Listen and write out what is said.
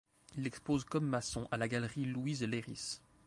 Il expose comme Masson à la Galerie Louise Leiris.